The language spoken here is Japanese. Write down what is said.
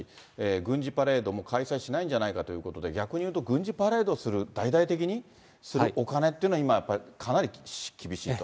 軍事パレードも開催しないんじゃないかということで、逆に言うと、軍事パレードする、大々的に、お金っていうの今、かなり厳しいと。